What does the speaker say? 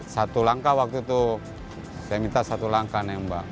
satu langkah waktu itu saya minta satu langkah nembak